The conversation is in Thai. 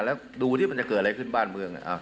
แล้วดูที่มันจะเกิดอะไรขึ้นบ้านเมือง